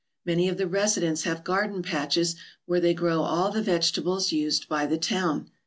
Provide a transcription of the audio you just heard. Many of the residents have garden patches where they grow all the vegetables used by the town.